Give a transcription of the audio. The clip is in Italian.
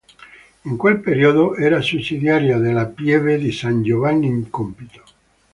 In quel periodo era sussidiaria della pieve di San Giovanni in Compito.